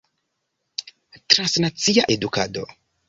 Transnacia edukado.